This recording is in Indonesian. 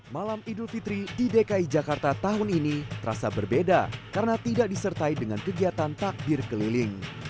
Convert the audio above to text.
malam idul fitri di dki jakarta tahun ini terasa berbeda karena tidak disertai dengan kegiatan takbir keliling